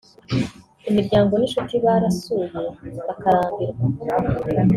imiryango n’inshuti barasuye bakarambirwa